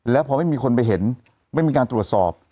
แล้วพอไม่มีคนไปเห็นไม่มีการตรวจสอบ